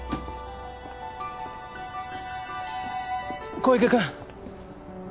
小池君。